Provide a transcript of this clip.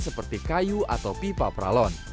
seperti kayu atau pipa peralon